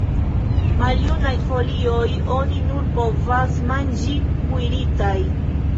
Maljunaj folioj oni nur povas manĝi kuiritaj.